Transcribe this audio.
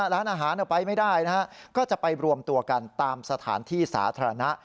ร้านอาหารไปไม่ได้นะฮะก็จะไปรวมตัวกันตามสถานที่สาธารณะ